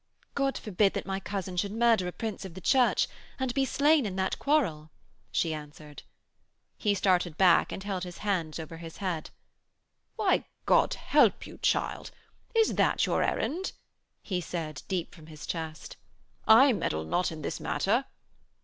'God forbid that my cousin should murder a Prince of the Church, and be slain in that quarrel,' she answered. He started back and held his hands over his head. 'Why, God help you, child! Is that your errand?' he said, deep from his chest. 'I meddle not in this matter.'